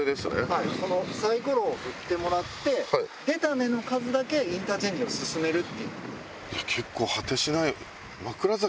はいこのサイコロを振ってもらって出た目の数だけインターチェンジを進める。